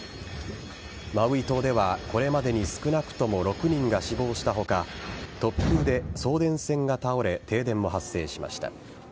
マウイ島では、これまでに少なくとも６人が死亡した他突風で送電線が倒れ停電も発生しました。